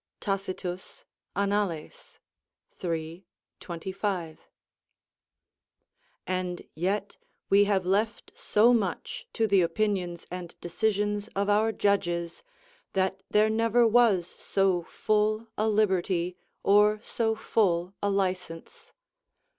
Tacitus, Annal., iii. 25.] and yet we have left so much to the opinions and decisions of our judges that there never was so full a liberty or so full a license.